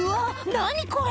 何これ！